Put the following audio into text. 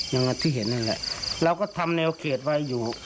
อย่างที่เห็นนั่นแหละเราก็ทำแนวเขตไว้อยู่